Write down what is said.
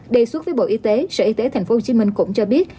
đề xuất với bộ y tế sở y tế thành phố hồ chí minh cũng cho biết